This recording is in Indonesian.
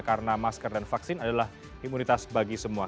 karena masker dan vaksin adalah imunitas bagi semua